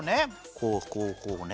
こうこうこうね。